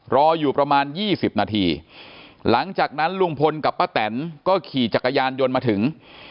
รออยู่ประมาณ๒๐นาทีหลังจากนั้นลุงพลกับป้าแตนก็ขี่จักรยานยนต์มาถึง